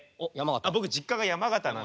僕実家が山形なんですけども。